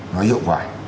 nó hiệu quả